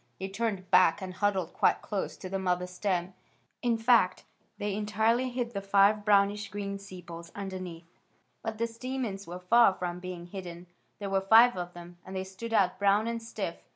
They turned back and huddled quite close to the mother stem. In fact, they entirely hid the five brownish green sepals underneath. But the stamens were far from being hidden. There were five of them, and they stood out brown and stiff.